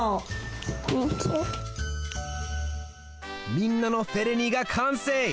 みんなのフェレニがかんせい！